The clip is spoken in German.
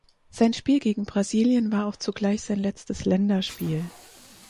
Sein Spiel gegen Brasilien war auch zugleich sein letztes Länderspiel.